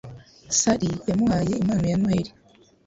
Sally yamuhaye impano ya Noheri.